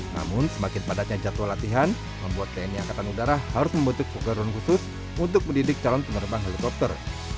namun semakin padatnya jadwal latihan membuat tni angkatan udara harus membentuk drone khusus untuk mendidik calon penerbang helikopter